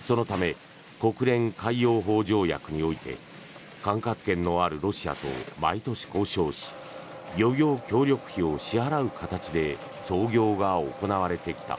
そのため国連海洋法条約において管轄権のあるロシアと毎年、交渉し漁業協力費を支払う形で操業が行われてきた。